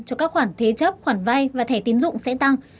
cho các khoản thế chấp khoản vay và thẻ tiến dụng sẽ tăng